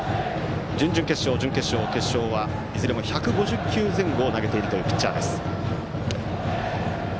準々決勝、準決勝、決勝はいずれも１５０球前後を投げているというピッチャーです。